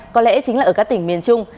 có lẽ chính là ở các tỉnh miền trung